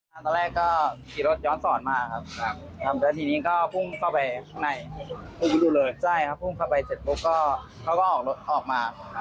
ตอนแรกก็กี่รถย้อนสอนมาครับแล้วทีนี้ก็พุ่งเข้าไปข้างในพุ่งเข้าไปเสร็จแล้วก็เขาก็ออกรถออกมา